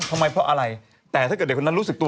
ทำไมเพราะอะไรแต่ถ้าเกิดเด็กคนนั้นรู้สึกตัว